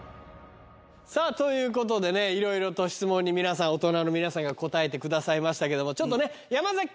さぁということでねいろいろと質問に大人の皆さんが答えてくださいましたけども。